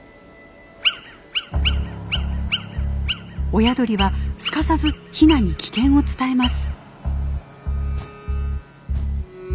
親鳥はすかさずヒナに危険を伝えます。